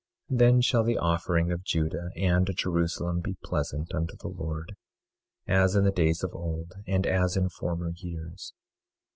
24:4 Then shall the offering of Judah and Jerusalem be pleasant unto the Lord, as in the days of old, and as in former years.